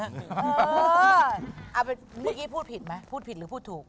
เออนี่พูดผิดไหมพูดผิดหรือพูดถูก